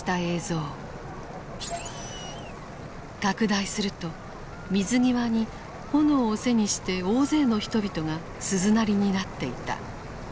拡大すると水際に炎を背にして大勢の人々が鈴なりになっていた。